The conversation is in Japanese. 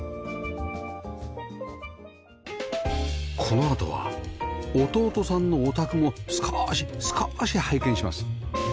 このあとは弟さんのお宅も少し少し拝見します